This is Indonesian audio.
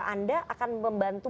anda akan membantu